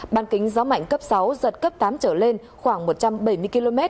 ban kính gió mạnh cấp sáu giật cấp tám trở lên khoảng một trăm bảy mươi km